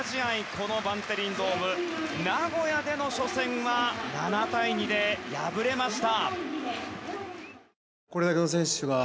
このバンテリンドームナゴヤでの初戦は７対２で敗れました。